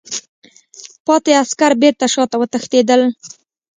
پاتې عسکر بېرته شاته وتښتېدل.